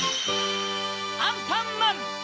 アンパンマン‼